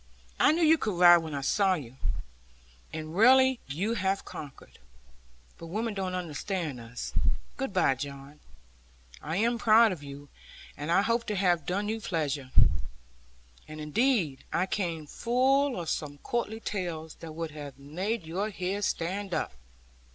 I knew you could ride when I saw you, and rarely you have conquered. But women don't understand us. Good bye, John; I am proud of you, and I hoped to have done you pleasure. And indeed I came full of some courtly tales, that would have made your hair stand up.